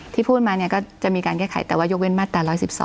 ที่พูดมาเนี่ยก็จะมีการแก้ไขแต่ว่ายกเว้นมาตรา๑๑๒